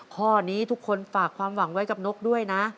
ข้อนี้ทุกคนฝากความหวังไว้กับนกด้วยนะ